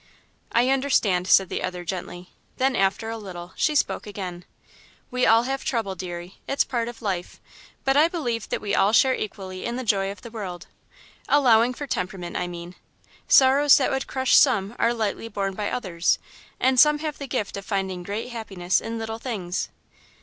"I understand," said the other, gently. Then, after a little, she spoke again: "We all have trouble, deary it's part of life; but I believe that we all share equally in the joy of the world. Allowing for temperament, I mean. Sorrows that would crush some are lightly borne by others, and some have the gift of finding great happiness in little things.